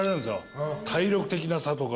任垢体力的な差とか。